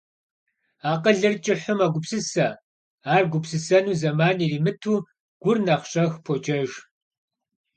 Акъылыр кӀыхьу мэгупсысэ, ар гупсысэну зэман иримыту гур нэхъ щӀэх поджэж.